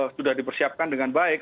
sudah dipersiapkan dengan baik